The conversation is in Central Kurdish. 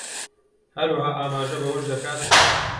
هەروەها ئاماژە بەوەش دەکات